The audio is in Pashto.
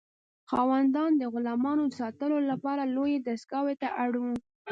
خاوندان د غلامانو د ساتلو لپاره لویې دستگاه ته اړ وو.